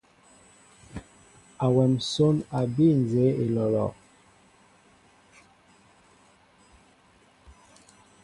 Awem nsón a bii nzeé olɔlɔ.